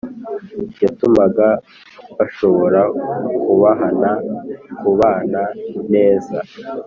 yatumaga bashobora kubahana, kubana neza